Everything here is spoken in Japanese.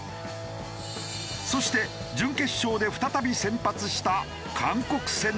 そして準決勝で再び先発した韓国戦でも。